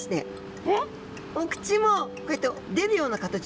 お口もこうやって出るような形で。